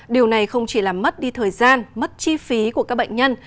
điều này không chỉ làm mất đi thời gian mất chi phí của các bệnh nhân